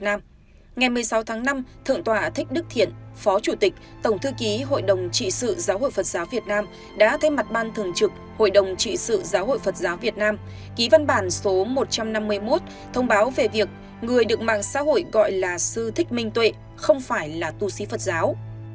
ngày một mươi sáu tháng năm thượng tọa thích đức thiện phó chủ tịch tổng thư ký hội đồng trị sự giáo hội phật giáo việt nam đã thay mặt ban thường trực hội đồng trị sự giáo hội phật giáo việt nam ký văn bản số một trăm năm mươi một thông báo về việc người được mạng xã hội gọi là sư thích minh tuệ không phải là tu sĩ phật giáo